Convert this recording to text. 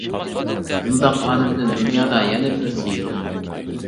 ئۇنداق ئالىمدىن دۇنيادا يەنە بىرسى يوق.